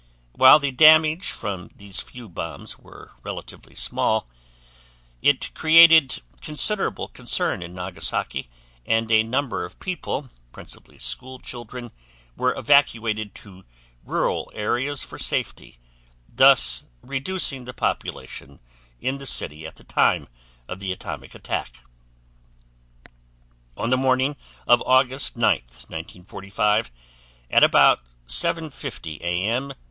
While the damage from these few bombs were relatively small, it created considerable concern in Nagasaki and a number of people, principally school children, were evacuated to rural areas for safety, thus reducing the population in the city at the time of the atomic attack. On the morning of August 9th, 1945, at about 7:50 A.M.